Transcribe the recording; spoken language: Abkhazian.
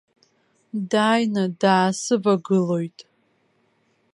Даины даасывагылоит.